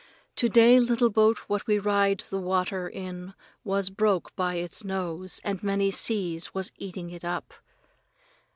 To day little boat what we ride the water in was broke by its nose and many seas was eating it up.